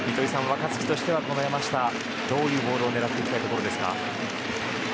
若月としては山下のどういうボールを狙っていきたいところですか。